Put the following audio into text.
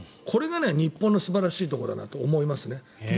これが日本の素晴らしいところだなと思いますね。